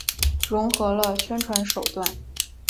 融合了宣传手段。